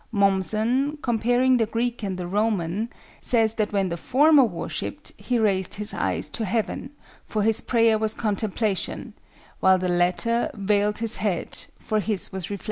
Mommsen, comparing the Greek and the Roman, says that when the former worshiped he raised his eyes to heaven, for his prayer was contemplation, while the latter veiled his head, for his was reflection.